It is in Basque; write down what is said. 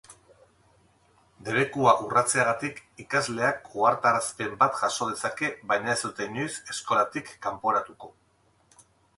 Debekua urratzeagatik ikasleak ohartarazpen bat jaso dezake baina ez dute inoiz eskolatik kanporatuko.